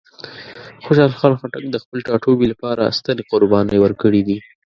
خوشحال خان خټک د خپل ټاټوبي لپاره سترې قربانۍ ورکړې دي.